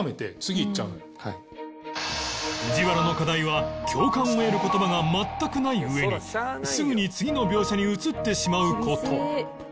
藤原の課題は共感を得る言葉が全くない上にすぐに次の描写に移ってしまう事